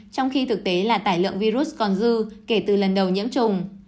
trong khi thực tế là tải lượng virus còn dư kể từ lần đầu nhiễm trùng